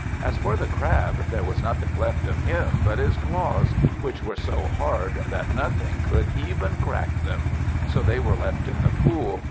As for the Crab, there was nothing left of him but his claws, which were so hard that nothing could even crack them; so they were left in the pool.